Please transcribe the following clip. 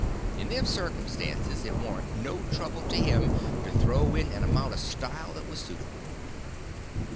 In them circumstances it warn't no trouble to him to throw in an amount of style that was suitable.